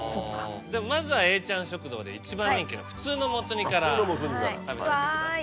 まずはえーちゃん食堂で一番人気の普通のもつ煮から食べてみてください。